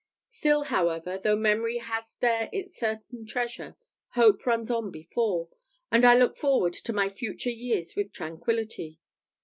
Still, however, though Memory has there its certain treasure, hope runs on before; and I look forward to my future years with tranquillity.